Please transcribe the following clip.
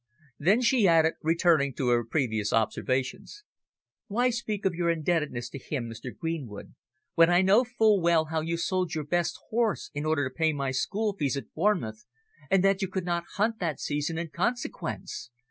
Then she added, returning to her previous observations, "Why speak of your indebtedness to him, Mr. Greenwood, when I know full well how you sold your best horse in order to pay my school fees at Bournemouth, and that you could not hunt that season in consequence?